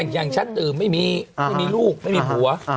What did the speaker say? อย่างฉันอื่มไม่มีลูกไม่มีผัว